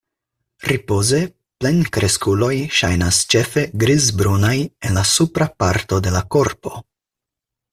Ripoze plenkreskuloj ŝajnas ĉefe grizbrunaj en la supra parto de la korpo.